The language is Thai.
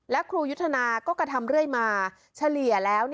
และครูยุทธนาก็กระทำเรื่อยมาเฉลี่ยแล้ว